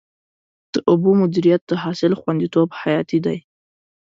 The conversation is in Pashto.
د اوبو مدیریت د حاصل خوندیتوب ته حیاتي دی.